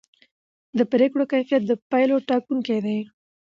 د پرېکړو کیفیت د پایلو ټاکونکی دی